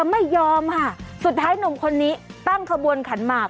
โหยหายมันเถอะ